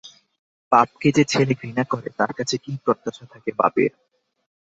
বাপকে যে ছেলে ঘৃণা করে, তার কাছে কী প্রত্যাশা থাকে বাপের?